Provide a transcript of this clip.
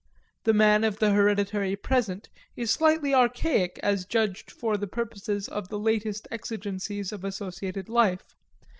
The man of the hereditary present is slightly archaic as judged for the purposes of the latest exigencies of associated life.